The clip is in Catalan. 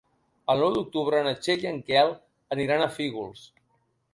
El nou d'octubre na Txell i en Quel aniran a Fígols.